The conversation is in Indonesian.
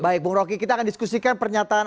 baik bung roky kita akan diskusikan pernyataan